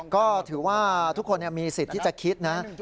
ก็ถือว่าทุกคนมีสิทธิ์ที่จะคิดนะ